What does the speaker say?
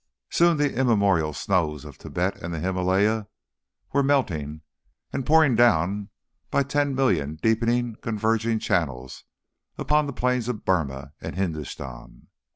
Soon the immemorial snows of Thibet and the Himalaya were melting and pouring down by ten million deepening converging channels upon the plains of Burmah and Hindostan.